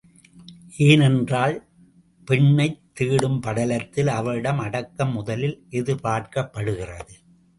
ஏனென்றால் பெண்ணைத் தேடும் படலத்தில் அவளிடம் அடக்கம் முதலில் எதிர்பார்க்கப்படுகிறது.